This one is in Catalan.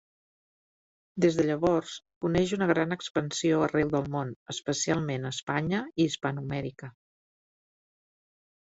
Des de llavors coneix una gran expansió arreu del món, especialment a Espanya i Hispanoamèrica.